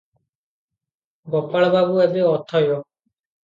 ଗୋପାଳବାବୁ ଏବେ ଅଥୟ ।